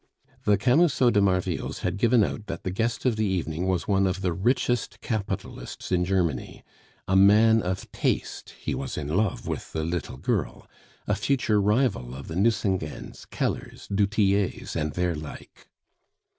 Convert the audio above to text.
The Camusot de Marvilles had given out that the guest of the evening was one of the richest capitalists in Germany, a man of taste (he was in love with "the little girl"), a future rival of the Nucingens, Kellers, du Tillets, and their like.